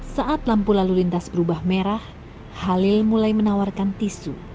saat lampu lalu lintas berubah merah halil mulai menawarkan tisu